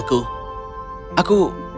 aku aku tidak mengerti